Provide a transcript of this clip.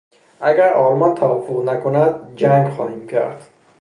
اگر آلمان توافق نکند، جنگ خواهیم کرد.